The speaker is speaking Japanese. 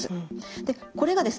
でこれがですね